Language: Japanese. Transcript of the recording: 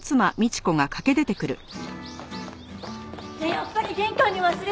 やっぱり玄関に忘れてた！